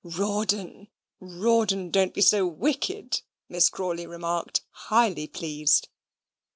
"Rawdon, Rawdon, don't be so wicked," Miss Crawley remarked, highly pleased.